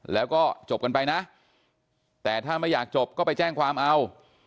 แล้วก็จบกันไปนะแต่ถ้าไม่อยากจบก็ไปแจ้งความเอา